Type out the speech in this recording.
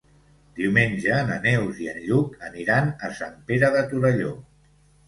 Diumenge na Neus i en Lluc aniran a Sant Pere de Torelló.